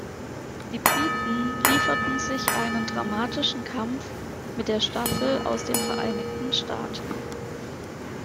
Die Briten lieferten sich einen dramatischen Kampf mit der Staffel aus den Vereinigten Staaten.